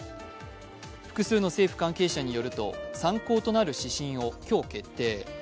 複数の政府関係者によりますと参考となる指針を今日、決定。